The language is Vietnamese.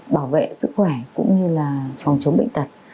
bảo vệ sức khỏe cũng như là phòng chống bệnh tật